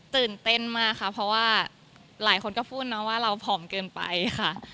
ตื่นเต้นมากค่ะเพราะว่าหลายคนก็พูดนะว่าเราผอมเกินไปค่ะ